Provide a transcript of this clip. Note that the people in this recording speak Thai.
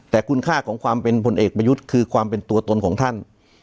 แต่คุณค่าของความเป็นผลเอกประยุทธ์คือความเป็นตัวตนของท่าน